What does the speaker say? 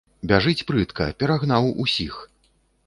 Бяжыць прытка, перагнаў усіх.